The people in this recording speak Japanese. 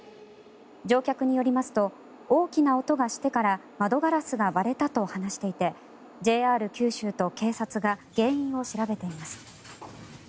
乗客によりますと大きな音がしてから窓ガラスが割れたと話していてＪＲ九州と警察が原因を調べています。